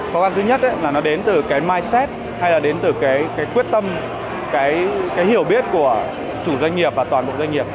khó khăn thứ nhất là nó đến từ cái minset hay là đến từ cái quyết tâm cái hiểu biết của chủ doanh nghiệp và toàn bộ doanh nghiệp